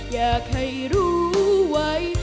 อยากให้รู้ไว้